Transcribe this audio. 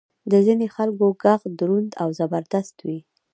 د ځینې خلکو ږغ دروند او زبردست وي.